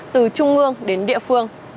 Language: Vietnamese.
từ trung ương đến địa phương